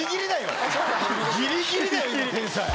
ギリギリだよ今天才。